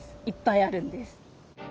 いっぱいあるんです。